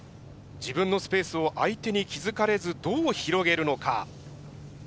自分のスペースを相手に気付かれずどう広げるのか。